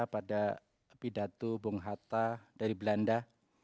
pada pidato bung hatta dari belanda